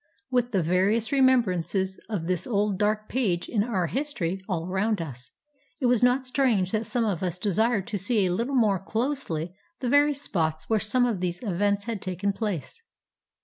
With the various remembrances of this old dark page in our history all around us, it was not strange that some of us desired to see a little more closely the very spots where some of these events had taken place.